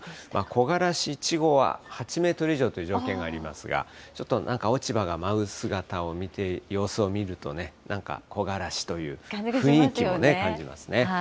木枯らし１号は８メートル以上という条件がありますが、ちょっと、なんか落ち葉が舞う姿を見て、様子を見るとね、なんか木枯らしという雰囲気も感じますね。